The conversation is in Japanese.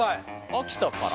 秋田から？